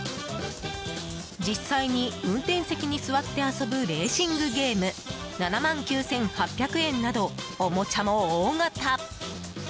実際に運転席に座って遊ぶレーシングゲーム７万９８００円などおもちゃも大型。